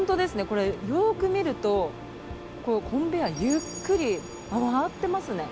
これよく見るとコンベアゆっくり回ってますね。